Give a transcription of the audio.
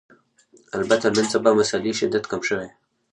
البته نن سبا مسألې شدت کم شوی